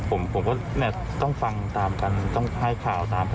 ผมผมก็ต้องฟังตามกันต้องให้ข่าวตามกัน